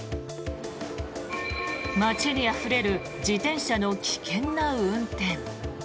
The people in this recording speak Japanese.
街にあふれる自転車の危険な運転。